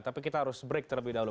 tapi kita harus break terlebih dahulu